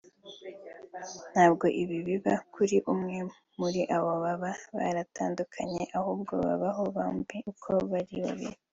ntabwo ibi biba kuri umwe muri abo baba baratandukanye ahubwo byababaho bombi uko ari babiri